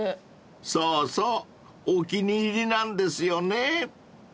［そうそうお気に入りなんですよね］